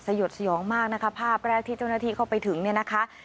ยดสยองมากนะคะภาพแรกที่เจ้าหน้าที่เข้าไปถึงเนี่ยนะคะ